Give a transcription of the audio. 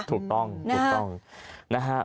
ถูกต้องถูกต้องนะฮะ